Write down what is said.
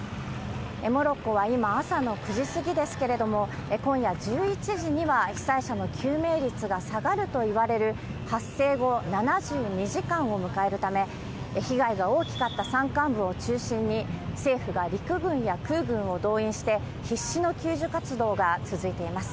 モロッコは今、朝の９時過ぎですけれども、今夜１１時には被災者の救命率が下がるといわれる、発生後７２時間を迎えるため、被害が大きかった山間部を中心に、政府が陸軍や空軍を動員して、必死の救助活動が続いています。